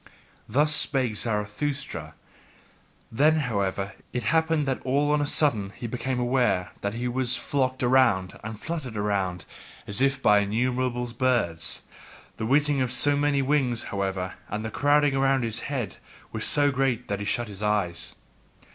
Thus spake Zarathustra; then, however, it happened that all on a sudden he became aware that he was flocked around and fluttered around, as if by innumerable birds, the whizzing of so many wings, however, and the crowding around his head was so great that he shut his eyes.